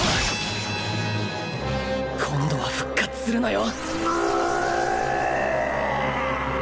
今度は復活するなよ